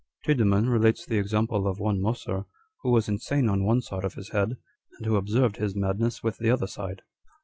" Tiedeman relates the example of one Moscr, who was insane on one side of his head, and who observed his mad ness with the other side.